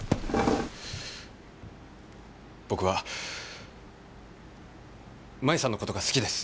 僕は舞さんのことが好きです。